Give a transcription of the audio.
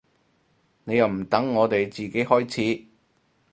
你又唔等我哋自己開始